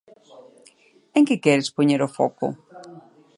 En que queres poñer o foco?